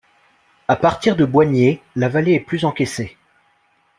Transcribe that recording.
À partir de Boignée, la vallée est plus encaissée.